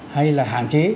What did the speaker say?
hay là hạn chế